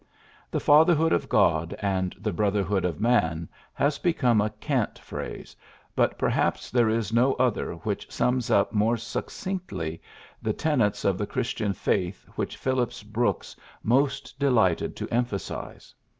^^The fatherhood of God and the brotherhood of man'' has become a cant phrase, but perhaps there is no other which sums up more succinctly the tenets of the Christian faith which Phillips Brooks most de lighted to emphasize.